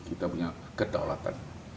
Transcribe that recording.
kita punya kedaulatan